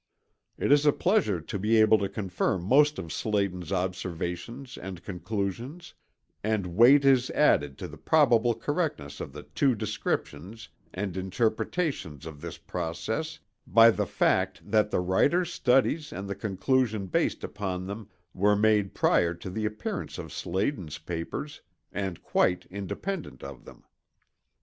It is a pleasure to be able to confirm most of Sladen's observations and conclusions, and weight is added to the probable correctness of the two descriptions and interpretations of this process by the fact that the writer's studies and the conclusion based upon them were made prior to the appearance of Sladen's papers and quite independent of them.